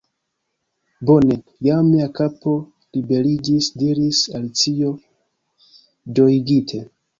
"Bone! Jam mia kapo liberiĝis," diris Alicio, ĝojigite.